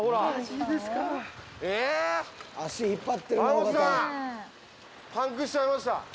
新本さんパンクしちゃいました。